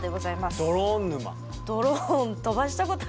ドローン飛ばしたことありますか？